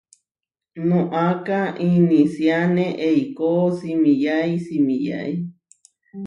Noʼaká inisiáne eikó simiyái simiyái.